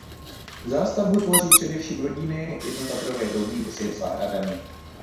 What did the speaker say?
Zástavbu tvoří především rodinné jednopatrové domy se zahradami.